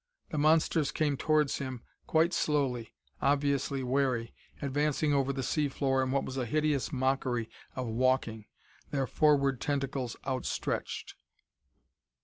The monsters came towards him quite slowly, obviously wary, advancing over the sea floor in what was a hideous mockery of walking, their forward tentacles outstretched.